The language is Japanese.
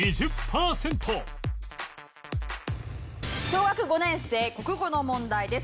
小学５年生国語の問題です。